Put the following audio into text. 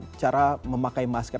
dengan cara memakai masker